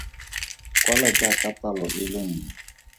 Kwala jaaka palo e le nngwe.